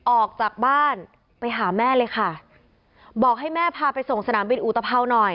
ออกจากบ้านไปหาแม่เลยค่ะบอกให้แม่พาไปส่งสนามบินอุตภาวหน่อย